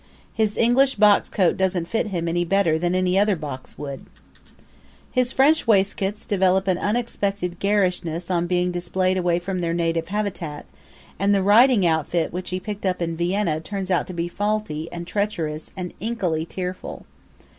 His English box coat doesn't fit him any better than any other box would. His French waistcoats develop an unexpected garishness on being displayed away from their native habitat and the writing outfit which he picked up in Vienna turns out to be faulty and treacherous and inkily tearful.